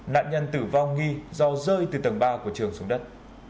nạn nhân tử vong nghi do rơi từ tầng ba của trường xuống đất